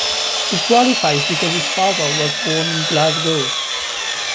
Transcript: He qualifies because his father was born in Glasgow.